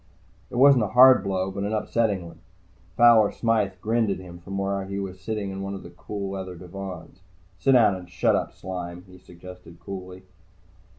It wasn't a hard blow, but an upsetting one. Fowler Smythe grinned at him from where he was sitting in one of the leather divans. "Sit down and shut up, Sime," he suggested coolly.